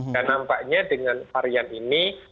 dan nampaknya dengan varian ini